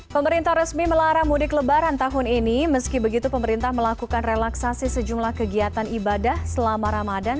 pemerintah resmi melarang mudik lebaran tahun ini meski begitu pemerintah melakukan relaksasi sejumlah kegiatan ibadah selama ramadan